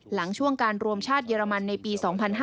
หลังช่วงการรวมชาติเยอรมันในปี๒๕๕๙